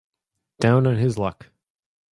Down on his luck